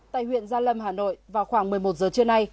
tại huyện gia lâm hà nội vào khoảng một mươi một giờ trưa nay